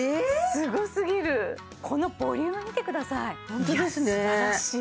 すごすぎるこのボリューム見てください